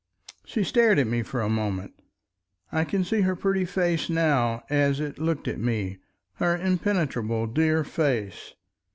She stared at me for a moment. I can see her pretty face now as it looked at me—her impenetrable dear face.